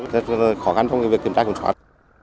rất là khó khăn trong việc kiểm tra kiểm soát